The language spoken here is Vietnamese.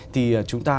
thì chúng ta